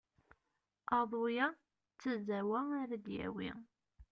Aḍu-ya d tazawwa ara d-yawi.